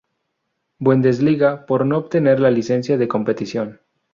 Bundesliga por no obtener la licencia de competición.